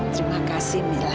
terima kasih bila